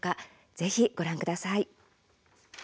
ぜひ、ご覧ください。